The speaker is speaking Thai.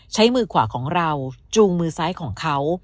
ใช้มือขวาของเราจูงมือซ้ายของเขา